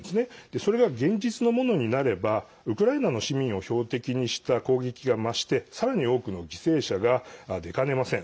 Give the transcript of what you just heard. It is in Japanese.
それが現実のものになればウクライナの市民を標的にした攻撃が増してさらに多くの犠牲者が出かねません。